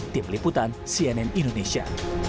tim liputan cnn indonesia